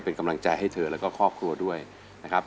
เป็นกำลังใจให้เธอแล้วก็ครอบครัวด้วยนะครับ